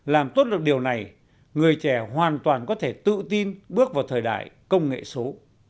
làm tốt được điều này người trẻ hoàn toàn có thể tự tin bước vào thời đại công nghệ số